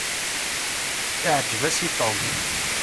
Iɛǧeb-as i Tom.